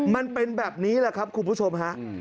มันเป็นแบบนี้แหละครับคุณผู้ชมฮะ